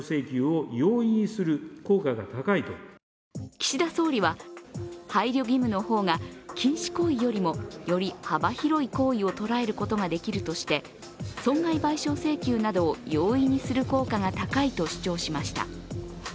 岸田総理は配慮義務の方が禁止行為よりもより幅広い行為を捉えることができるとして損害賠償請求などを容易にする効果が高いと主張しました。